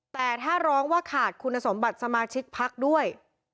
แต่ถ้าร้องว่าขาดคุณสมบัติสมาชิกพักด้วย